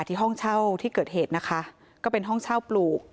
ห้องเช่าที่เกิดเหตุนะคะก็เป็นห้องเช่าปลูก